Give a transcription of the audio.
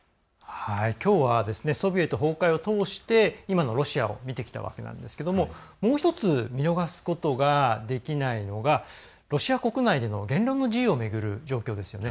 きょうはソビエト崩壊を通して今のロシアを見てきたわけなんですけどももう１つ見逃すことができないのがロシア国内での言論の自由をめぐる状況ですよね。